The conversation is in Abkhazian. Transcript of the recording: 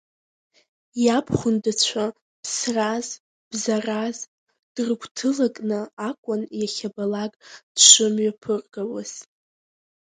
Иабхәындцәа ԥсраз, бзараз дрыгәҭылакны акәын иахьабалак дшымҩаԥыргауаз.